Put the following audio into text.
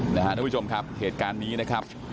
นะครับทุกผู้ชมครับเหตุการณ์นี้นะครับ